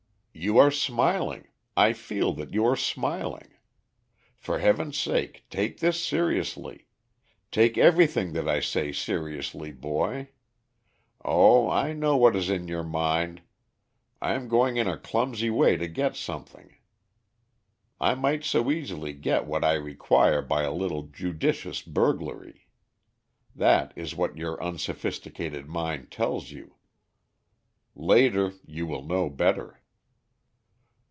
You are smiling; I feel that you are smiling. For Heaven's sake take this seriously; take everything that I say seriously, boy. Oh, I know what is in your mind I am going in a clumsy way to get something. I might so easily get what I require by a little judicious burglary. That is what your unsophisticated mind tells you. Later you will know better."